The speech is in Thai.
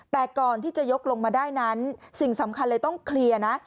แต่ก่อนที่จะยกลงมาได้นั้นสิ่งสำคัญเลยต้องเคลียร์นะ